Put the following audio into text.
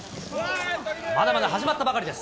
まだまだ始まったばかりです。